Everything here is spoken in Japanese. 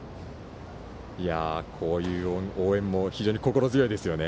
こういう応援も非常に心強いですよね。